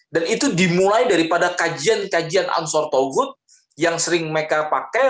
dan itu dimulai daripada kajian kajian ansor togut yang sering mereka pakai